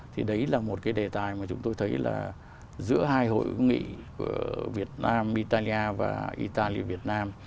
thì đấy là một cái đề tài mà chúng tôi thấy là giữa hai hội nghị việt nam italia và italia việt nam